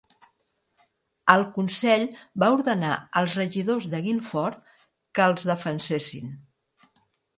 El Consell va ordenar als regidors de Guilford que els defensessin.